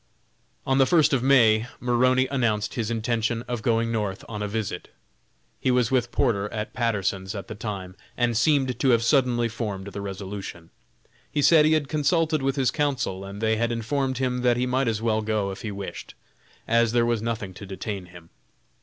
On the first of May, Maroney announced his intention of going North on a visit. He was with Porter at Patterson's at the time and seemed to have suddenly formed the resolution. He said he had consulted with his counsel and they had informed him that he might as well go if he wished, as there was nothing to detain him.